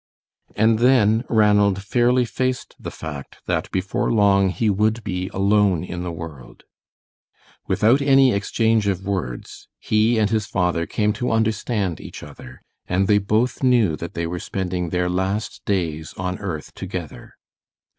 And then Ranald fairly faced the fact that before long he would be alone in the world. Without any exchange of words, he and his father came to understand each other, and they both knew that they were spending their last days on earth together.